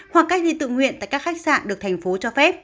hoặc cách ly tự nguyện tại các khách sạn được thành phố cho phép